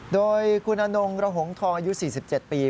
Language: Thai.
โดยคุณอนงระหงทองอายุ๔๗ปี